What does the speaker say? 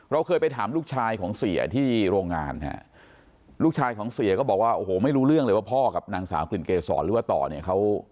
เราเคยไปถามลูกชายของเสียที่โรงงานฮะลูกชายของเสียก็บอกว่าโอ้โหไม่รู้เรื่องเลยว่าพ่อกับนางสาวกลิ่นเกษรหรือว่าต่อเนี่ยเขา